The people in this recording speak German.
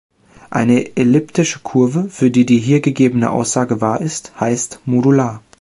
Eine elliptische Kurve, für die die hier gegebene Aussage wahr ist, heißt modular.